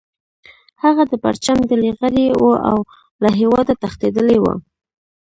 هغه د پرچم ډلې غړی و او له هیواده تښتیدلی و